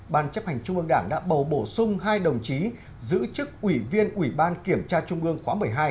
ban chấp hành trung ương đảng đã bầu bổ sung hai đồng chí giữ chức ủy viên ủy ban kiểm tra trung ương khóa một mươi hai